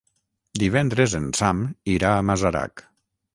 Divendres en Sam irà a Masarac.